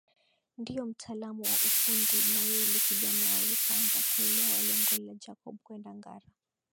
Ndio mtaalam wa ufundi na yule kijana walipoanza kuelewa lengo la Jacob kwenda Ngara